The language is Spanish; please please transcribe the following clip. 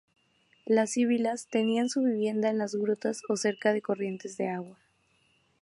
Las sibilas tenían su vivienda en las grutas o cerca de corrientes de agua.